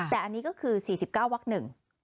แต่อันนี้ก็คือ๔๙วักหนึ่ง